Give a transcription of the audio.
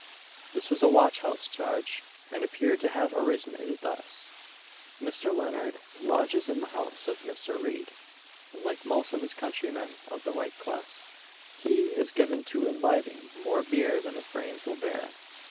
This was a watch house charge, and appeared to have originated thus: Mr. Leonard lodges in the house of Mr. Reid, and like most of his countrymen of the like class, he is given to imbibing more beer than his brains will bear.